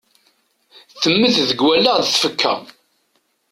Temmed deg wallaɣ d tfekka.